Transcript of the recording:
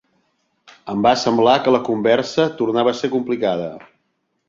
Em va semblar que la conversa tornava a ser complicada.